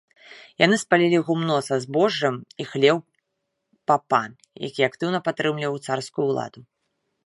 Яны спалілі гумно са збожжам і хлеў папа, які актыўна падтрымліваў царскую ўладу.